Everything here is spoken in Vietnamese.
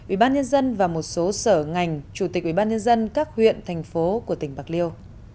ubnd và một số sở ngành chủ tịch ubnd các huyện thành phố của tỉnh bạc liêu